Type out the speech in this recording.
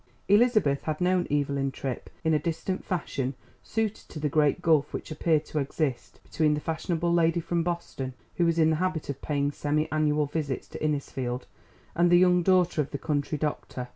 Elizabeth had known Evelyn Tripp in a distant fashion suited to the great gulf which appeared to exist between the fashionable lady from Boston, who was in the habit of paying semi annual visits to Innisfield, and the young daughter of the country doctor.